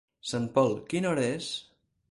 Sant Pol, quina hora és?